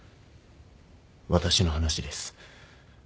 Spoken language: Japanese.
私の話です。